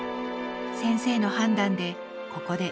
先生の判断でここで